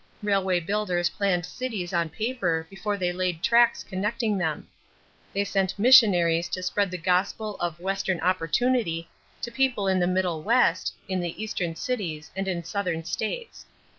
Railway builders planned cities on paper before they laid tracks connecting them. They sent missionaries to spread the gospel of "Western opportunity" to people in the Middle West, in the Eastern cities, and in Southern states.